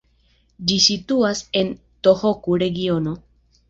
Ĝi situas en Tohoku-regiono.